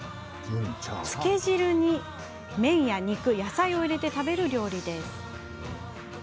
つけ汁に麺や肉、野菜を入れて食べる料理です。